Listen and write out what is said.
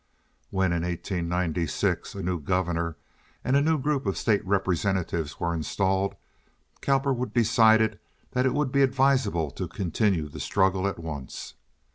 When in 1896 a new governor and a new group of state representatives were installed Cowperwood decided that it would be advisable to continue the struggle at once.